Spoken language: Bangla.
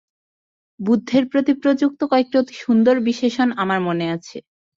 বুদ্ধের প্রতি প্রযুক্ত কয়েকটি অতি সুন্দর বিশেষণ আমার মনে আছে।